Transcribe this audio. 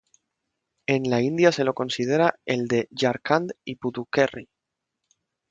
En la India se lo considera el de Jharkhand y Puducherry.